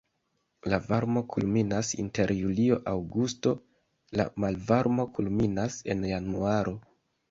La varmo kulminas inter julio-aŭgusto, la malvarmo kulminas en januaro.